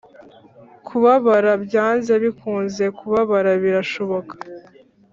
kubabara byanze bikunze. kubabara birashoboka.